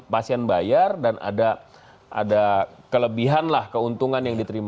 pasien bayar dan ada kelebihan lah keuntungan yang diterima